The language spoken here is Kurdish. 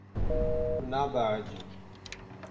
Tu nabehecî.